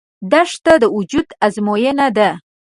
دښته د وجود ازموینه ده.